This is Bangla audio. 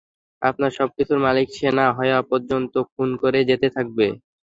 আপনার সবকিছুর মালিক সে না হওয়া পর্যন্ত খুন করেই যেতে থাকবে!